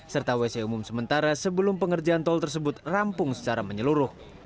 serta wc umum sementara sebelum pengerjaan tol tersebut rampung secara menyeluruh